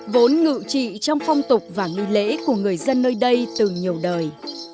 vốn ngự trị trong phong tục và nghi lễ của người dân nơi đây từ nhiều đời